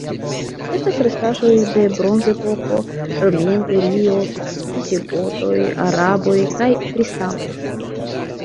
Estas restaĵoj de Bronzepoko, Romia Imperio, visigotoj, araboj kaj kristanoj.